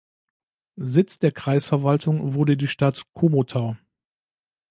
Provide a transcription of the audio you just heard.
Sitz der Kreisverwaltung wurde die Stadt Komotau.